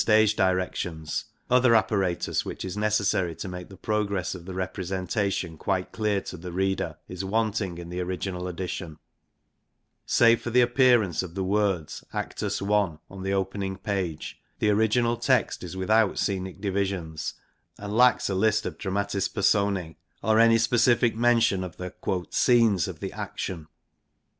But in spite of the amplitude of the stage directions other INTRODUCTION xv apparatus which is necessary to make the progress of the representation quite clear to the reader is wanting in the original edition. Save for the appearance of the words Actus 1. on the opening page, the original text is without scenic divisions, and lacks a list of Dramatis Persona or any specific mention of the * scenes ' of the action.